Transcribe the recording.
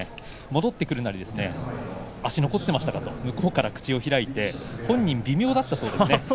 戻ってくるなり残っていましたか？と向こうから口を開いて本人は微妙だったそうです。